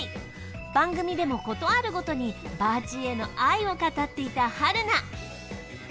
番組でも事あるごとにバーチーへの愛を語っていた春菜。